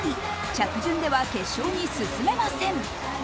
着順では決勝に進めません。